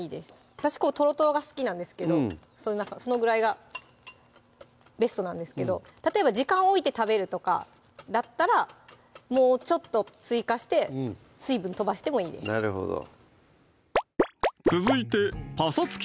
私トロトロが好きなんですけどそのぐらいがベストなんですけど例えば時間置いて食べるとかだったらもうちょっと追加して水分飛ばしてもいいですなるほど続いてパサつき